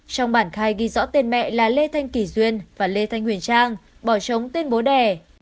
trong bản khai ghi rõ tên mẹ là lê thanh kỳ duyên và lê thanh huyền trang bỏ trống tên bố đẻ